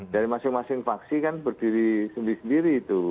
dari masing masing faksi kan berdiri sendiri sendiri itu